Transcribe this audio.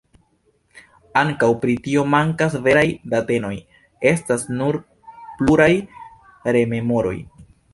Ankaŭ pri tio mankas veraj datenoj, estas nur pluraj rememoroj.